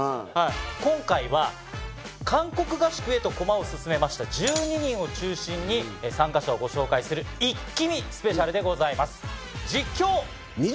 今回は韓国合宿へと駒を進めました１２人を中心に参加者をご紹介する一気見ＳＰでございます。